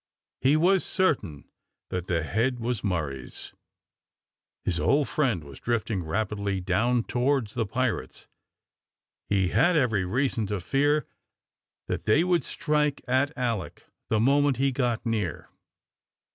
He was certain that the head was Murray's. His old friend was drifting rapidly down towards the pirates. He had every reason to fear that they would strike at Alick the moment he got near.